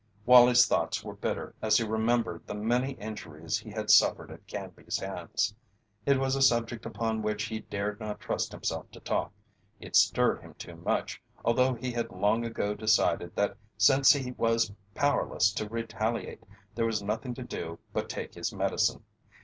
Wallie's thoughts were bitter as he remembered the many injuries he had suffered at Canby's hands. It was a subject upon which he dared not trust himself to talk it stirred him too much, although he had long ago decided that since he was powerless to retaliate there was nothing to do but take his medicine.